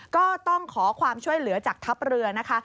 ก็ต้องขอความช่วยเหลือจากทัพเรือนะคะ